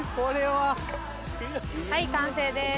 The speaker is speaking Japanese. はい完成です。